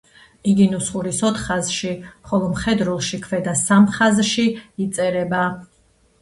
იგი ნუსხურში ოთხ ხაზში, ხოლო მხედრულში ქვედა სამ ხაზში იწერება.